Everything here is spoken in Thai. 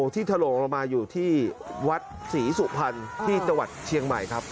ถล่มลงมาอยู่ที่วัดศรีสุพรรณที่จังหวัดเชียงใหม่ครับ